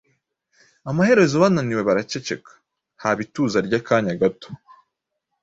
Amaherezo bananiwe baraceceka, haba ituza ry’akanya gato.